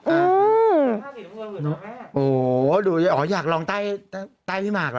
อืมโอ้โฮดูอยากลองใต้พี่หมากเหรอ